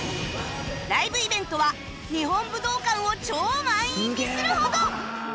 ライブイベントは日本武道館を超満員にするほど！